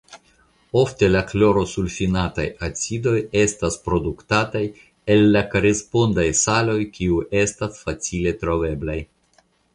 Ofte la klorosulfinataj acidoj estas produktataj el la korespondaj saloj kiuj estas facile troveblaj.